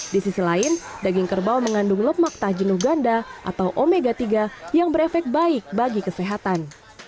di sisi lain daging kerbau mengandung lemak tak jenuh ganda atau omega tiga yang berefek baik bagi kesehatan